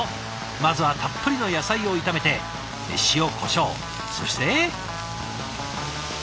まずはたっぷりの野菜を炒めて塩こしょうそして。